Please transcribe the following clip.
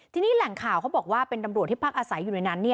ทีนี้แหล่งข่าวเขาบอกว่าเป็นตำรวจที่พักอาศัยอยู่ในนั้น